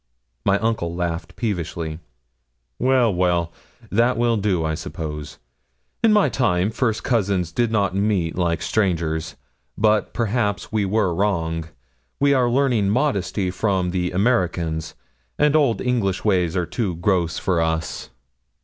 My uncle laughed peevishly. 'Well, well, that will do, I suppose. In my time first cousins did not meet like strangers; but perhaps we were wrong; we are learning modesty from the Americans, and old English ways are too gross for us.'